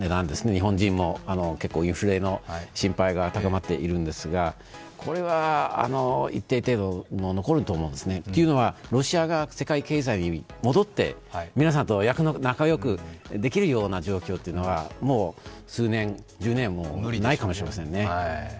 日本人も結構、インフレの心配が高まっているんですが、これは一定程度、残ると思うんですね、というのはロシア側が世界経済に戻って、皆さんと仲よくできるような状況はもう数年ないかもしれませんね。